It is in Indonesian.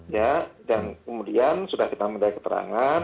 ya dan kemudian sudah kita minta keterangan